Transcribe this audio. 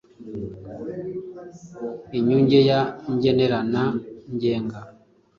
inyunge ya ngenera na ngenga.